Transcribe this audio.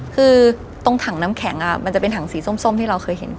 คือตรงถังน้ำแข็งมันจะเป็นถังสีส้มที่เราเคยเห็น